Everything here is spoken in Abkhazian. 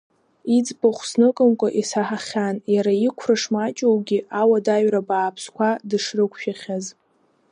Иӡбахә зныкымкәа исаҳахьан, иара иқәра шмаҷугьы, ауадаҩра бааԥсқәа дышрықәшәахьаз.